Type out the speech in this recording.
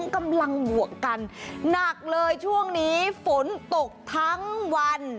กำลังบวกกันหนักเลยช่วงนี้ฝนตกทั้งวัน